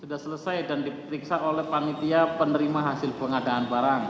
sudah selesai dan diperiksa oleh panitia penerima hasil pengadaan barang